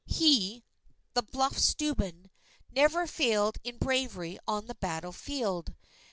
He the bluff Steuben never failed in bravery on the battle field.